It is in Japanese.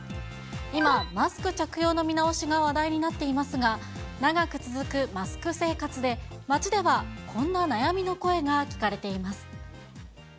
今、マスク着用の見直しが話題になっていますが、長く続くマスク生活で、街ではこんな悩みの声が聞かれています。